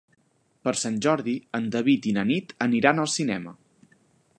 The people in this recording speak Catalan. Per Sant Jordi en David i na Nit aniran al cinema.